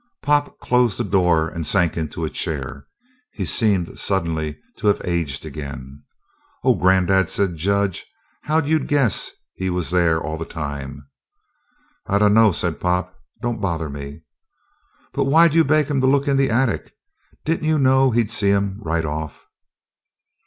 Pop closed the door and sank into a chair. He seemed suddenly to have aged again. "Oh, grandad," said Jud, "how'd you guess he was there all the time?" "I dunno," said Pop. "Don't bother me." "But why'd you beg him to look into the attic? Didn't you know he'd see him right off?"